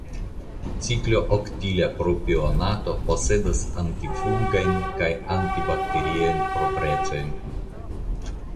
Ciklooktila propionato posedas antifungajn kaj antibakteriajn proprecojn.